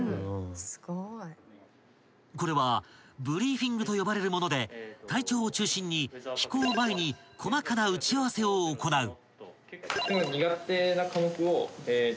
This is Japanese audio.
［これはブリーフィングと呼ばれるもので隊長を中心に飛行前に細かな打ち合わせを行う］